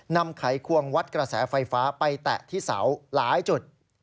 ไขควงวัดกระแสไฟฟ้าไปแตะที่เสาหลายจุด